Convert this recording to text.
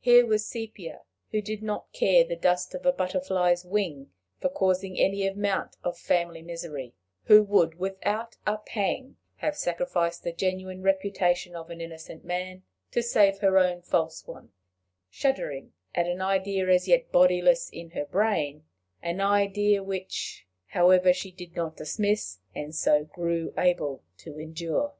Here was Sepia, who did not care the dust of a butterfly's wing for causing any amount of family misery, who would without a pang have sacrificed the genuine reputation of an innocent man to save her own false one shuddering at an idea as yet bodiless in her brain an idea which, however, she did not dismiss, and so grew able to endure!